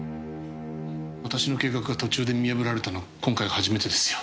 私の計画が途中で見破られたのは今回が初めてですよ。